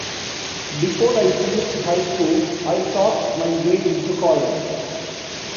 Before I finished high school, I talked my way into college.